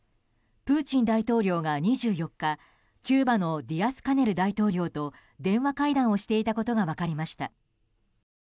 プーチン大統領が２４日キューバのディアスカネル大統領と電話会談をしていたことが分かりました。